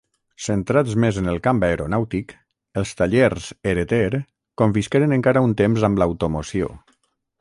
Centrats més en el camp aeronàutic, els tallers Hereter convisqueren encara un temps amb l'automoció.